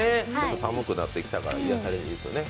寒くなってきたから癒やされにね。